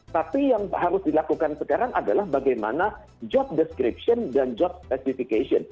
tapi yang harus dilakukan sekarang adalah bagaimana job description dan job specification